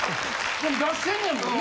でも出してんねんもんな！